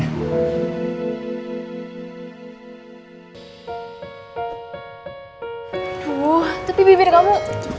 aduh tapi bibir kamu